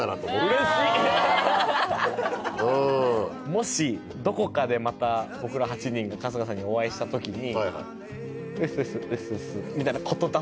もしどこかでまた僕ら８人が春日さんにお会いした時に。